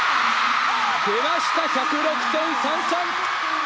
出ました１０６．３３！